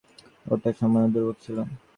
ওটা সামান্য দুর্ভাগ্য ছিল।